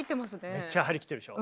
めっちゃ張り切ってるでしょ。